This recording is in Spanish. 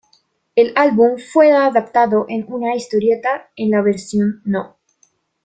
El álbum fue adaptado en una historieta en la versión No.